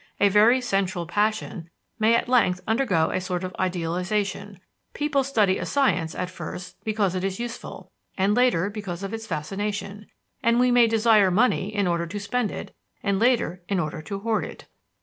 A very sensual passion may at length undergo a sort of idealization; people study a science at first because it is useful, and later because of its fascination; and we may desire money in order to spend it, and later in order to hoard it.